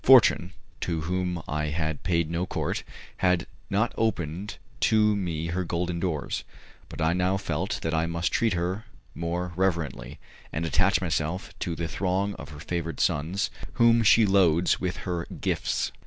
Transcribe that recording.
Fortune, to whom I had paid no court, had not opened to me her golden doors; but I now felt that I must treat her more reverently, and attach myself to the throng of her favoured sons whom she loads with her gifts.